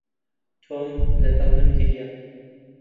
تۆم لەگەڵ من گریا.